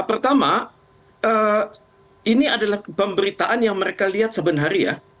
pertama ini adalah pemberitaan yang mereka lihat sebenarnya ya